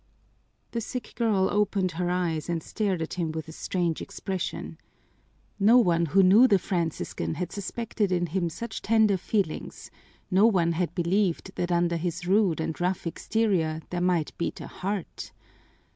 The sick girl opened her eyes and stared at him with a strange expression. No one who knew the Franciscan had suspected in him such tender feelings, no one had believed that under his rude and rough exterior there might beat a heart.